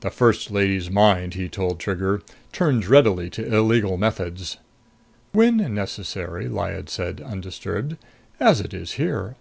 "The First Lady's mind," he told Trigger, "turns readily to illegal methods." "When necessary," Lyad said undisturbed, "as it is here."